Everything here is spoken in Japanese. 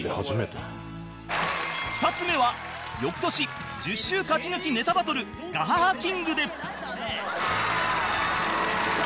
２つ目は翌年１０週勝ち抜きネタバトル『ＧＡＨＡＨＡ キング』で